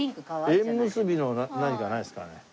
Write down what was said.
縁結びの何かないですかね？